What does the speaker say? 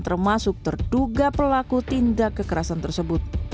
termasuk terduga pelaku tindak kekerasan tersebut